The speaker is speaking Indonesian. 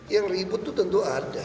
yang ribut itu tentu ada